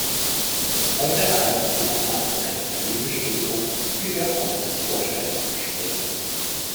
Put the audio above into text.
Heute erhalten Sie nochmals eine Terminbestätigung für Ihr kommendes Vorstellungsgespräch.